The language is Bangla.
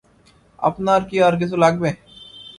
আপনার কি আর কিছু লাগবে?